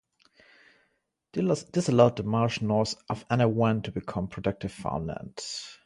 This allowed the marsh north of Annawan to become productive farmland.